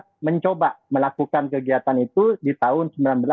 saya mencoba melakukan kegiatan itu di tahun seribu sembilan ratus delapan puluh